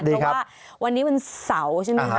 เพราะว่าวันนี้วันเสาร์ใช่ไหมคะ